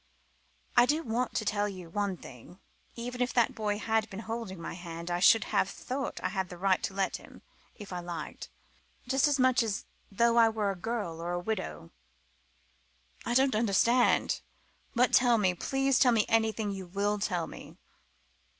"I do want to tell you one thing. Even if that boy had been holding my hand I should have thought I had a right to let him, if I liked just as much as though I were a girl, or a widow." "I don't understand. But tell me please tell me anything you will tell me."